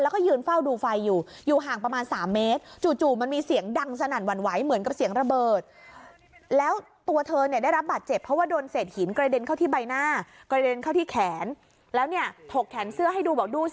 แล้วก็ยืนเฝ้าดูไฟอยู่อยู่ห่างประมาณ๓เมตรจู่มันมีเสียงดังสนั่นหวั่นไหวเหมือนกับเสียงระเบิด